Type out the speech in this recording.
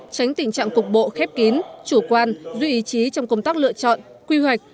tránh tình trạng cục bộ khép kín chủ quan duy ý chí trong công tác lựa chọn quy hoạch